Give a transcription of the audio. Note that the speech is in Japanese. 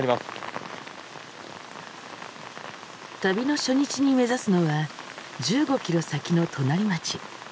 旅の初日に目指すのは１５キロ先の隣町。